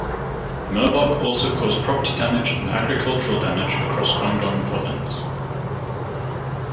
Merbok also caused property damage and agricultural damage across Guangdong Province.